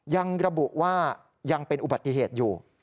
ยังระบุว่ายังเป็นอุบัติเหตุอยู่